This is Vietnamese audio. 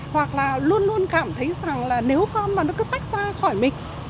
hoặc là luôn luôn cảm thấy rằng là nếu con mà nó cứ tách ra khỏi mình